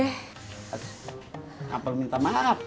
enggak perlu minta maaf